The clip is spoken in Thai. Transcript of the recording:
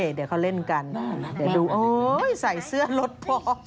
เดี๋ยวเขาเล่นกันเดี๋ยวดูโอ๊ยใส่เสื้อรถพอ